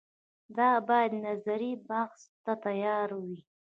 دا باید نظري بحث ته تیارې وي